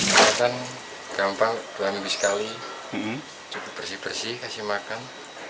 perawatan gampang dua minggu sekali cukup bersih bersih kasih makan